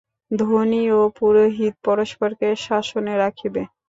ধনী ও পুরোহিত পরস্পরকে শাসনে রাখিবে।